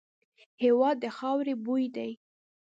هېواد د خاوري بوی دی.